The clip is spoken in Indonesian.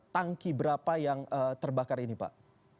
tangki berapa yang terbakar ini pak